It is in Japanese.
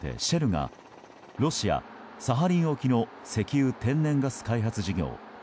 シェルがロシア・サハリン沖の石油・天然ガス開発事業